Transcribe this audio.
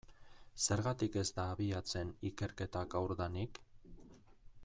Zergatik ez da abiatzen ikerketa gaurdanik?